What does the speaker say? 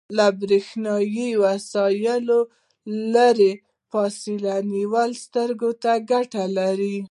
له بریښنایي وسایلو لږه فاصله نیول سترګو ته ګټه لري.